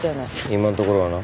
今んところはな。